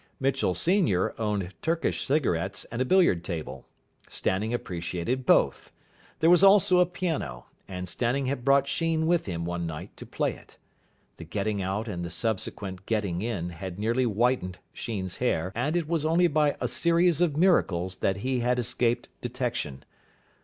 Mitchell senior owned Turkish cigarettes and a billiard table. Stanning appreciated both. There was also a piano, and Stanning had brought Sheen with him one night to play it. The getting out and the subsequent getting in had nearly whitened Sheen's hair, and it was only by a series of miracles that he had escaped detection.